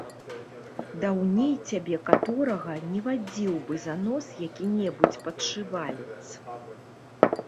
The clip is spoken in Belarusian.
Даўней цябе каторага не вадзіў бы за нос які-небудзь падшывалец.